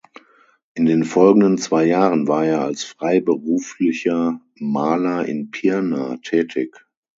In den folgenden zwei Jahren war er als freiberuflicher Maler in Pirna tätig.